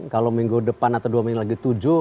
kalau minggu depan atau dua minggu lagi tujuh